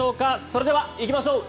それではいきましょう。